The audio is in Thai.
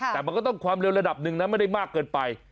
แต่มันก็ต้องความเร็วระดับหนึ่งนะไม่ได้มากเกินไป